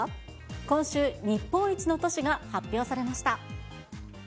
今週、日本一の都市が発表されました。